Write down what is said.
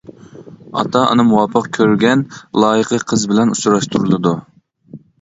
ئاتا-ئانا مۇۋاپىق كۆرگەن لايىقى قىز بىلەن ئۇچراشتۇرۇلىدۇ.